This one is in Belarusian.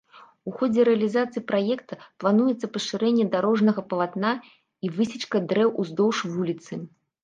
У ходзе рэалізацыі праекта плануецца пашырэнне дарожнага палатна і высечка дрэў ўздоўж вуліцы.